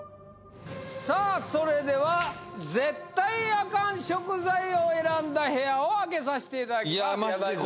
さあそれでは絶対アカン食材を選んだ部屋を開けさしていただきます